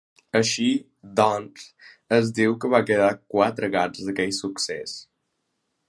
Així, doncs, es diu, que van quedar quatre gats d'aquell succés.